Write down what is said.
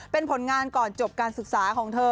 เป็นผลงานก่อนจบการศึกษาของเธอ